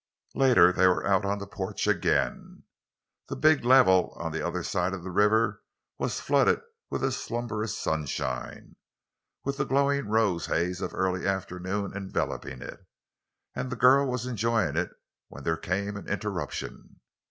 Later they were out on the porch again. The big level on the other side of the river was flooded with a slumberous sunshine, with the glowing, rose haze of early afternoon enveloping it, and the girl was enjoying it when there came an interruption.